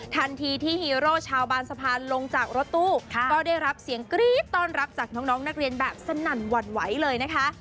ทันทีที่ฮีโร่ชาวบางสะพานลงจากรถตู้ก็ได้รับเสียงกรี๊ดต้อนรับจากน้องนักเรียนแบบสนั่นหวั่นไหวเลยนะคะ